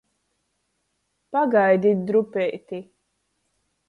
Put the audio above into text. Pagaidit drupeiti!